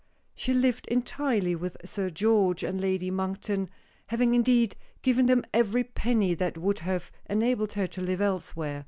She lived entirely with Sir George and Lady Monkton, having indeed given them every penny that would have enabled her to live elsewhere.